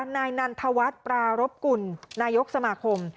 นายนันทวัฒน์ปรารบกุลนายกสมาคม